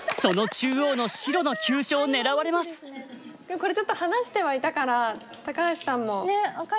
これちょっと話してはいたから橋さんも。